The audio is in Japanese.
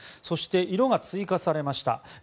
そして、色が追加されました。